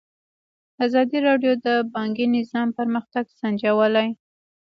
ازادي راډیو د بانکي نظام پرمختګ سنجولی.